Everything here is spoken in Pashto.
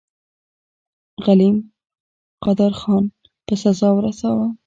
غلم قادرخان په سزا ورساوه.